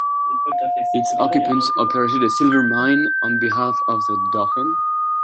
Its occupants operated a silver mine on behalf of the Dauphin.